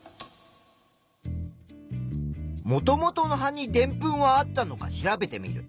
もともとの葉にでんぷんはあったのか調べてみる。